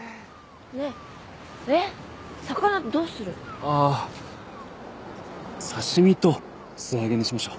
ああ刺し身と素揚げにしましょう。